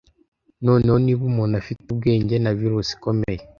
noneho niba umuntu afite ubwenge na virusi ikomeye